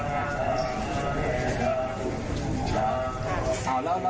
เมื่อวานแบงค์อยู่ไหนเมื่อวาน